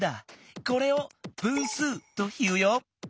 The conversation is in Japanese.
これを「分数」というよ。